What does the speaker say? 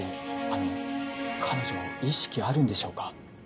あの彼女意識あるんでしょうか？